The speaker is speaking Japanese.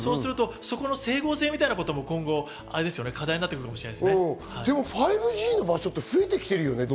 整合性みたいなことも今後、課題になってくるかもしれないで５Ｇの場所ってどんどん増えてきてるよね。